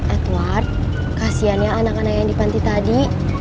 edward kasihan ya anak anak yang di panti tadi